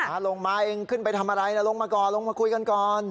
ลงมาเองขึ้นไปทำอะไรลงมาก่อนลงมาคุยกันก่อน